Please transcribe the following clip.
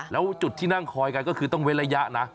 แล้วจุดที่นั่งคอยกันก็คือต้องเว้นระยะนะ